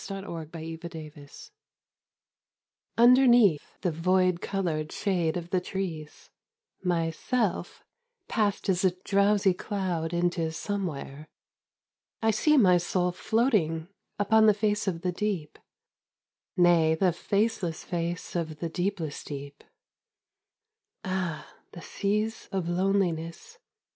SEAS OF LONELINESS Underneath the void coloured shade of the trees, my ' self ' passed as a drowsy cloud into Somewhere. I see my soul floating upon the face of the deep, nay the face less face of the deepless deep — Ah, the Seas of Loneliness